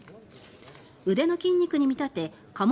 腕の筋肉に見立てカモ